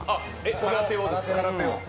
空手です。